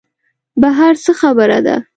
بهر څه خبره ده.